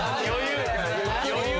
余裕！